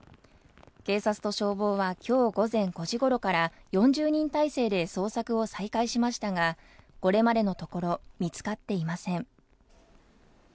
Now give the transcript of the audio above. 警察と消防は今日午前５時頃から、４０人態勢で捜索を再開しましたが、これまでのところ見つかっていません。